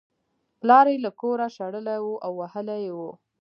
پلار یې له کوره شړلی و او وهلی یې و